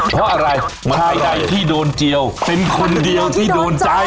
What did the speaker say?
เพราะอะไรชายใดที่โดนเจียวเป็นคนเดียวที่โดนใจ